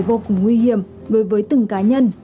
vô cùng nguy hiểm đối với từng cá nhân